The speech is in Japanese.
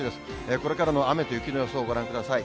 これからの雨と雪の予想をご覧ください。